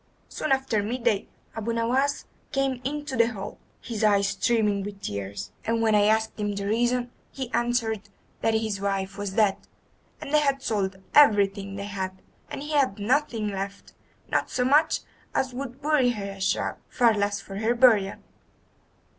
"Soon after midday Abu Nowas came into the hall, his eyes streaming with tears, and when I asked him the reason he answered that his wife was dead, and they had sold everything they had, and he had nothing left, not so much as would buy her a shroud, far less for her burial."